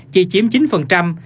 chỉ chiếm chín